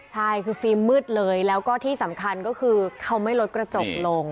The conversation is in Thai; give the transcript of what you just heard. ใช่คือฟิล์มมืดเลยแล้วก็ที่สำคัญก็คือเขาไม่ลดกระจกลง